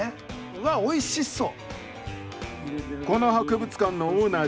うわっおいしそう。